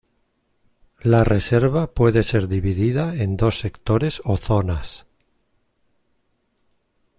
La reserva puede ser dividida en dos sectores o zonas.